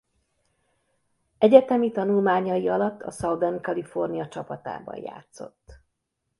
Egyetemi tanulmányai alatt a Southern California csapatában játszott.